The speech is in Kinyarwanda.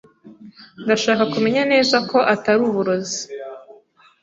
Ndashaka kumenya neza ko atari uburozi.